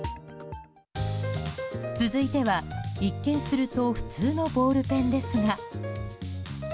続いては一見すると普通のボールペンですが。